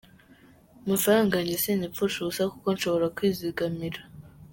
Amafaranga yanjye sinyapfusha ubusa, kuko nshobora kwizigamira.